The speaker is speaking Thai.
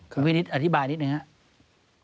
คุณพี่นิดอธิบายนิดหนึ่งนะครับ